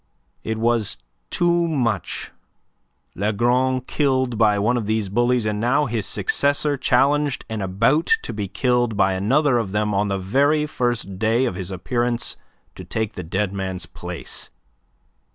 It was too much. Lagron killed by one of these bullies, and now his successor challenged, and about to be killed by another of them on the very first day of his appearance to take the dead man's place.